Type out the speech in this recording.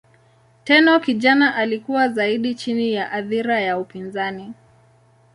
Tenno kijana alikuwa zaidi chini ya athira ya upinzani.